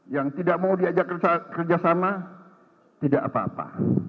yang tidak mau diajak kerjasama tidak apa apa